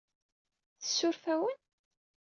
Tsuref-awen?